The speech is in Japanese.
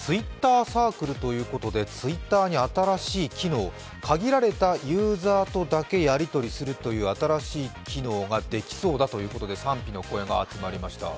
ＴｗｉｔｔｅｒサークルということでＴｗｉｔｔｅｒに新しい機能限られたユーザーとだけやり取りするという新しい機能ができそうだということで、賛否の声が集まりました。